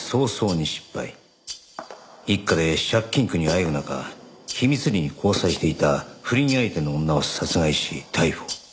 一家で借金苦にあえぐ中秘密裏に交際していた不倫相手の女を殺害し逮捕。